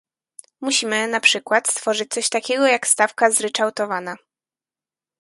Musimy, na przykład, stworzyć coś takiego jak stawka zryczałtowana